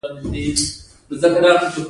په لویو پانګوالو هېوادونو کې دوی ډېر لږ دي